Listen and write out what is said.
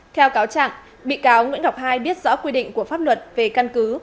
theo cáo trạng bị cáo nguyễn ngọc hai biết rõ quy định của pháp luật về căn cứ